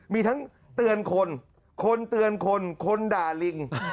มีทั้งเตือนคนคนเตือนคนคนด่าลิง